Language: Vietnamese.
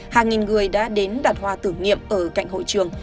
hàng nghìn người đã đến đặt hoa tưởng nghiệm ở cạnh hội trường